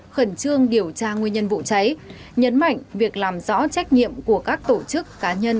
khẩn trương điều tra nguyên nhân vụ cháy nhấn mạnh việc làm rõ trách nhiệm của các tổ chức cá nhân